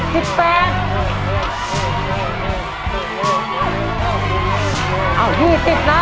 ๒๐นะอันนี้นะ